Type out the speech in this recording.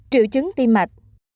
triệu chứng tim mạch